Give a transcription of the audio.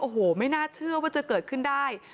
โอ้โหไม่น่าเชื่อว่าจะเกิดขึ้นได้